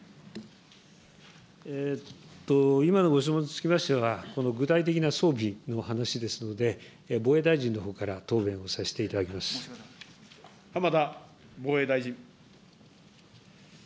今のご質問につきましては、具体的な装備の話ですので、防衛大臣のほうから答弁をさせていた浜田防衛大臣。